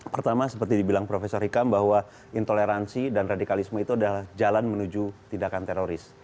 pertama seperti dibilang prof hikam bahwa intoleransi dan radikalisme itu adalah jalan menuju tindakan teroris